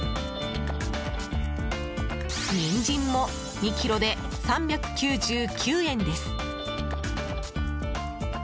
ニンジンも２ｋｇで３９９円です。